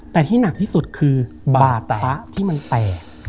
แต่ที่หนักที่สุดคือบาตะพระที่มันแตก